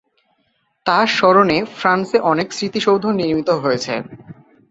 তার স্মরণে ফ্রান্সে অনেক স্মৃতিসৌধ নির্মিত হয়েছে।